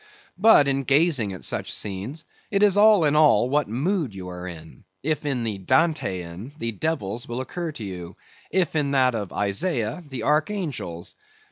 But in gazing at such scenes, it is all in all what mood you are in; if in the Dantean, the devils will occur to you; if in that of Isaiah, the archangels.